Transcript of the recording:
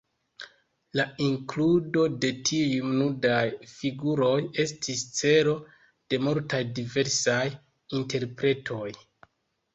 La inkludo de tiuj nudaj figuroj estis celo de multaj diversaj interpretoj.